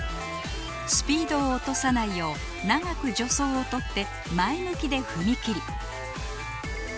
スピードを落とさないよう長く助走を取って前向きで踏み切り